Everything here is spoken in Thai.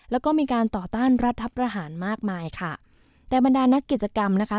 แล้วก็มีการต่อต้านรัฐประหารมากมายค่ะแต่บรรดานักกิจกรรมนะคะ